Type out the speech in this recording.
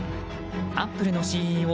アップルのＣＥＯ